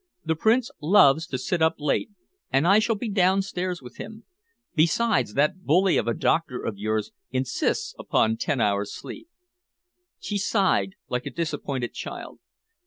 "The Prince loves to sit up late, and I shall be downstairs with him. Besides, that bully of a doctor of yours insists upon ten hours' sleep." She sighed like a disappointed child.